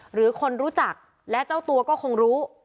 หรือคนรู้จักและเจ้าตัวก็คงรู้